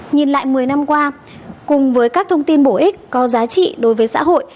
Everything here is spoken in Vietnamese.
nhìn lại một mươi năm qua cùng với các thông tin bổ ích có giá trị đối với xã hội